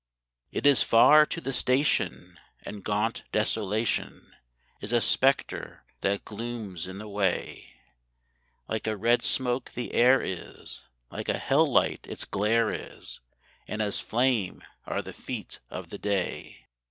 It is far to the station, and gaunt Desolation Is a spectre that glooms in the way; Like a red smoke the air is, like a hell light its glare is, And as flame are the feet of the day.